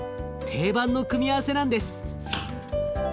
定番の組み合わせなんです。